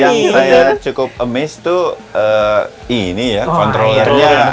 yang saya cukup amaze tuh ini ya controller nya